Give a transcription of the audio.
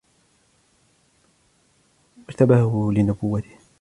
وَاجْتَبَاهُ لِنُبُوَّتِهِ